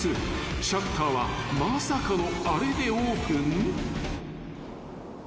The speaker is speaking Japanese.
［シャッターはまさかのあれでオープン］